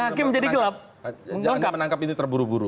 hakim jadi gelap menangkap itu terburu buru